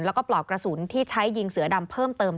แล้วก็ปลอกกระสุนที่ใช้ยิงเสือดำเพิ่มเติม